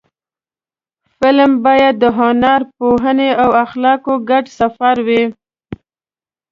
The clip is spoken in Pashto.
فلم باید د هنر، پوهنې او اخلاقو ګډ سفر وي